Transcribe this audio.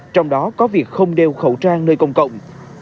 trong đó có việc không đeo khẩu trang nơi công cộng